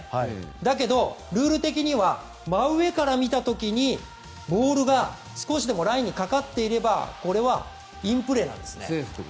だけど、ルール的には真上から見た時にボールが少しでもラインにかかっていればこれはインプレーなんですね。